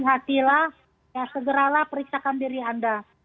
hatilah ya segeralah periksakan diri anda